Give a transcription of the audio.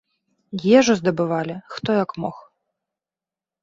Ежу здабывалі хто як мог.